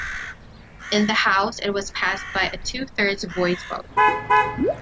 In the House, it was passed by a two-thirds voice vote.